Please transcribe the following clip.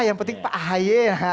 yang penting pak ahy